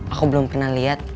aku belum pernah lihat